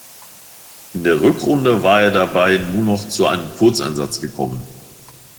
In der Rückrunde war er dabei nur noch zu einem Kurzeinsatz gekommen.